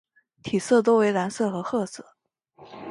体色多为蓝色和褐色。